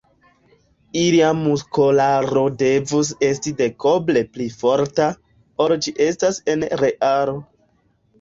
Ilia muskolaro devus esti dekoble pli forta, ol ĝi estas en realo.